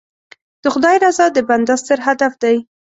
د خدای رضا د بنده ستر هدف دی.